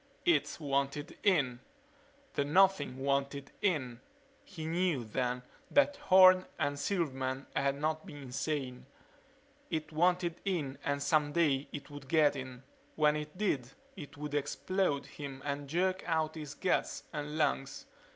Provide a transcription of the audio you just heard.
It wanted in the Nothing wanted in. He knew, then, that Horne and Silverman had not been insane. It wanted in and someday it would get in. When it did it would explode him and jerk out his guts and lungs.